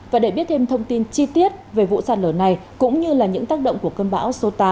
và để biết thêm thông tin chi tiết về vụ sạt lở này cũng như là những tác động của cơn bão số tám